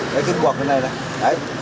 đấy cái cuộn cái này này